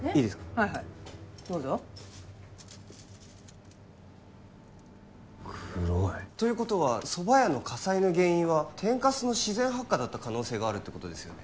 はいはいどうぞ黒いということは蕎麦屋の火災の原因は天かすの自然発火だった可能性があるってことですよね？